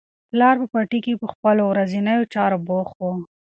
پلار په پټي کې په خپلو ورځنیو چارو بوخت و.